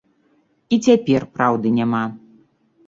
І цяпер праўды няма.